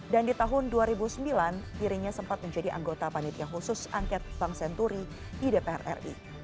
dan di tahun dua ribu sembilan dirinya sempat menjadi anggota panitia khusus angket bank senturi di dpr ri